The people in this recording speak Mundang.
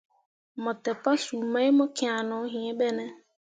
Mo te pasuu mai mo kian no yĩĩ ɓe ne.